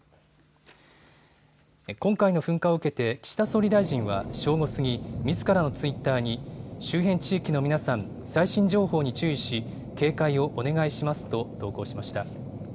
今回の噴火を受けて岸田総理大臣は正午過ぎ、みずからのツイッターに周辺地域の皆さん、最新情報に注意し警戒をお願いしますと投稿しました。